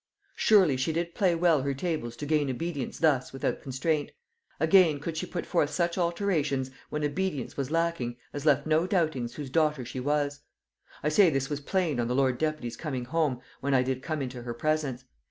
Surely she did play well her tables to gain obedience thus without constraint; again could she put forth such alterations, when obedience was lacking, as left no doubtings whose daughter she was. I say this was plain on the lord deputy's coming home, when I did come into her presence.